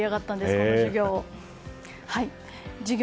この授業。